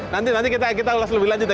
nanti nanti kita ulas lebih lanjut ya